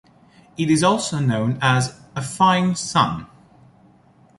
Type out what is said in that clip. It is also known as "A Fine Son".